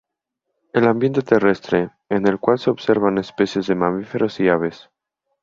El Ambiente Terrestre, en el cual se observan especies de mamíferos y aves.